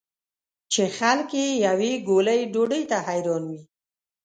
چې خلک یې یوې ګولې ډوډۍ ته حیران وي.